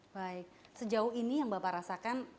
baik sejauh ini yang bapak rasakan